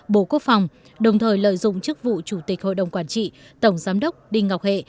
bộ quốc phòng đồng thời lợi dụng chức vụ chủ tịch hội đồng quản trị tổng giám đốc đinh ngọc hệ